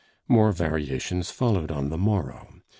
More variations followed on the morrow.